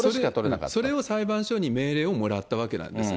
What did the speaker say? それを裁判所に命令をもらったわけなんです。